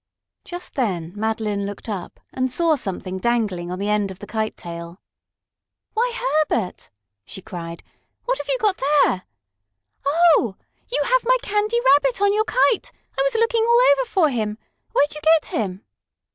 Just then Madeline looked up and saw something dangling on the end of the kite tail. "Why, Herbert!" she cried, "what have you there? Oh, you have my Candy Rabbit on your kite! I was looking all over for him. Where'd you get him?"